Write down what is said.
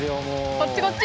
こっちこっち。